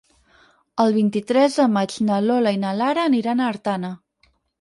El vint-i-tres de maig na Lola i na Lara aniran a Artana.